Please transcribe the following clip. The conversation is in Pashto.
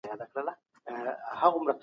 چاپېريال ساتل خپل ځان ساتل دي